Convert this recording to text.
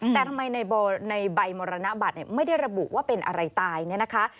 แต่ทำไมในใบมรณบัตรไม่ได้ระบุว่าเป็นอะไรตายเนี่ยนะคะ